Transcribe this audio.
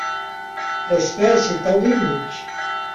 L’espèce est endémique.